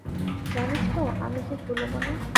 জানিস তো আমি কি ভুলো মনা।